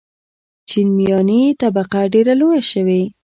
چین میاني طبقه ډېره لویه شوې.